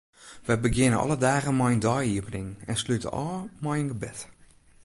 Wy begjinne alle dagen mei in dei-iepening en slute ôf mei in gebed.